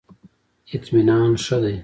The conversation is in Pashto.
اطمینان ښه دی.